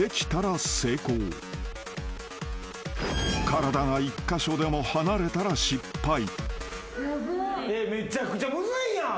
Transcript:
［体が１カ所でも離れたら失敗］